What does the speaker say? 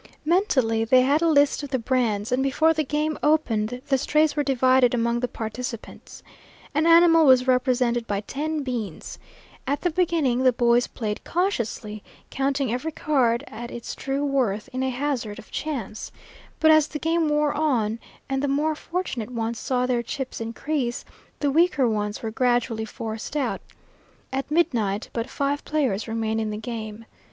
Mentally they had a list of the brands, and before the game opened the strays were divided among the participants. An animal was represented by ten beans. At the beginning the boys played cautiously, counting every card at its true worth in a hazard of chance. But as the game wore on and the more fortunate ones saw their chips increase, the weaker ones were gradually forced out. At midnight but five players remained in the game.